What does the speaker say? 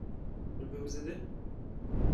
Je peux vous aider ?